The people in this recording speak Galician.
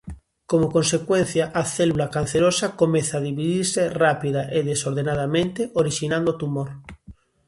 Como consecuencia, a célula cancerosa comeza a dividirse rápida e desordenadamente orixinando o tumor.